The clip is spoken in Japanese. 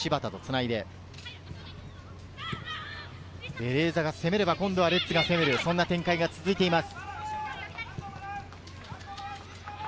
ベレーザが攻めれば今度はレッズが攻める、そんな展開が続いています。